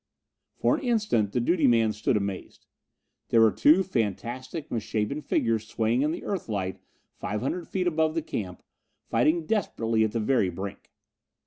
For an instant the duty man stood amazed. There were two fantastic, misshapen figures swaying in the Earthlight five hundred feet above the camp, fighting desperately at the very brink.